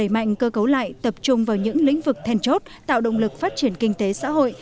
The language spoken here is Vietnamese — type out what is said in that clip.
mạnh cơ cấu lại tập trung vào những lĩnh vực thèn chốt tạo động lực phát triển kinh tế xã hội